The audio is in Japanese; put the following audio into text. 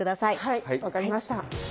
はい分かりました。